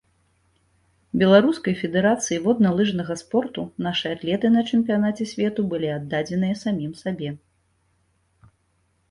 Беларускай федэрацыі водна-лыжнага спорту нашы атлеты на чэмпіянаце свету былі аддадзеныя самім сабе.